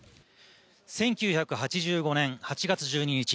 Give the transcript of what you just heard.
１９８５年８月１２日